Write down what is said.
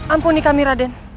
ampuni kami raden